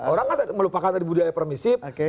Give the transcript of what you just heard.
orang kan melupakan tadi budaya permisif